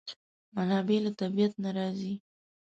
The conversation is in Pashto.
منابع له طبیعت نه راځي.